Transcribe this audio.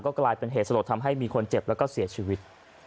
กลายเป็นเหตุสลดทำให้มีคนเจ็บแล้วก็เสียชีวิต